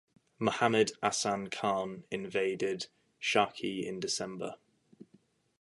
Muhammad Hasan khan invaded Shaki in December.